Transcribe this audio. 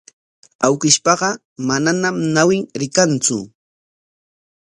Awkishpaqa manañam ñawin rikantsu.